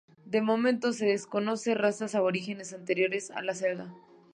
De momento se desconoce razas aborígenes anteriores a la celta.